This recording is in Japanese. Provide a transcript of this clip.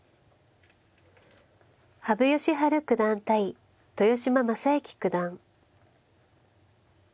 羽生善治九段対豊島将之九段。